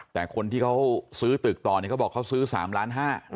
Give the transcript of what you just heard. แต่คนที่เขาซื้อตึกต่อเนี่ยเขาบอกเขาซื้อ๓ล้านห้า